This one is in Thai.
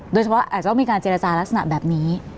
โดยเฉพาะอาจจะต้องมีการเจรจาลักษณะแบบนี้